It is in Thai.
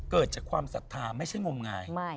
เกิดจากความศรัทธาไม่ใช่งมงาย